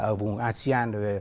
ở vùng asean